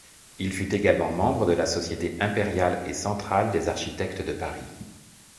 Il fut également membre de la Société Impériale et Centrale des Architectes de Paris.